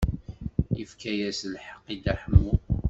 Yefka-as lḥeqq i Dda Ḥemmu.